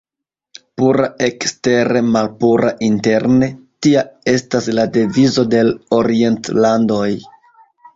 Pura ekstere, malpura interne, tia estas la devizo de l' orientlandoj.